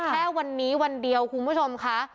แค่วันนี้วันเดียวคุณผู้ชมค่ะ